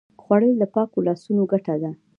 خوړل د پاکو لاسونو ګټه ده